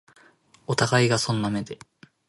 お互いがそんな目で